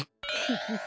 フフフフ。